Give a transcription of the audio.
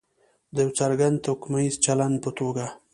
د یو څرګند توکمیز چلند په توګه.